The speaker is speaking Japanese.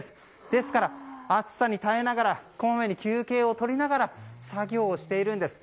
ですから、暑さに耐えながらこまめに休憩をとりながら作業をしているんです。